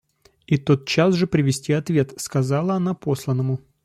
И тотчас же привези ответ, — сказала она посланному.